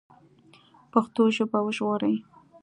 پښتو ژبه وژغورئ